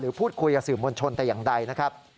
พูดคุยกับสื่อมวลชนแต่อย่างใดนะครับ